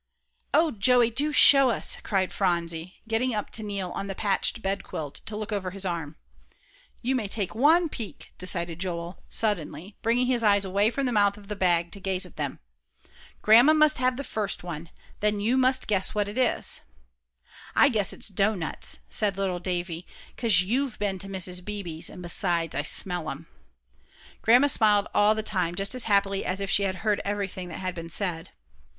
"Oh, Joey, do show us!" cried Phronsie, getting up to kneel on the patched bedquilt, to look over his arm. "You may take one peek," decided Joel, suddenly, bringing his eyes away from the mouth of the bag to gaze at them. "Grandma must have the first one; then you must guess what it is." "I guess it's doughnuts," said little Davie, "'cause you've been to Mrs. Beebe's, and besides, I smell 'em." Grandma smiled all the time, just as happily as if she had heard everything that had been said.